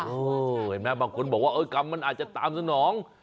เห็นไหมบางคนบอกว่ากรรมมันอาจจะตามสนอง